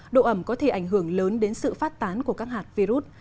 độ ẩm có thể ảnh hưởng lớn đến sự phát tán của các hạt virus